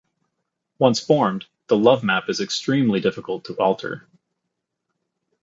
Once formed, the lovemap is extremely difficult to alter.